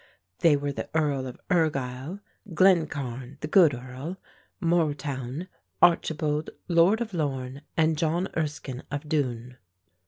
They were the Earl of Ergyl; Glencarn, the good Earl; Mortoun; Archibald, Lord of Lorne and John Erskyne of Doun.